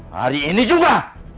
hari ini juga